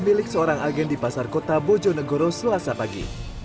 milik seorang agen di pasar kota bojonegoro selasa pagi